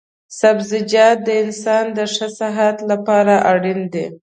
سبزيجات د انسان د ښه صحت لپاره اړين دي